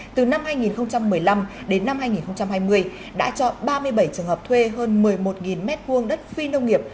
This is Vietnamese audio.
từ năm hai nghìn một mươi năm đến năm hai nghìn hai mươi đã cho ba mươi bảy trường hợp thuê hơn một mươi một m hai đất phi nông nghiệp